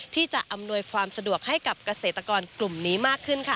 ที่จะอำนวยความสะดวกให้กับเกษตรกรกลุ่มนี้มากขึ้นค่ะ